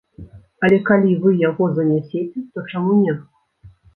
Але калі вы яго занесяце, то чаму не.